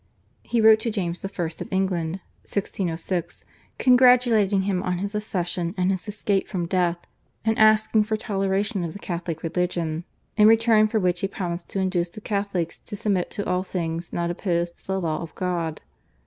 He wrote to James I. of England (1606) congratulating him on his accession and his escape from death and asking for toleration of the Catholic religion, in return for which he promised to induce the Catholics to submit to all things not opposed to the law of God.